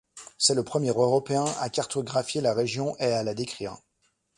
C'est le premier Européen à cartographier la région et à la décrire.